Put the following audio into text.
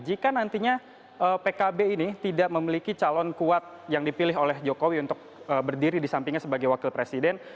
jika nantinya pkb ini tidak memiliki calon kuat yang dipilih oleh jokowi untuk berdiri di sampingnya sebagai wakil presiden